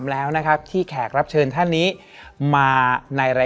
และวันนี้แขกรับเชิญที่จะมาเชิญที่เรา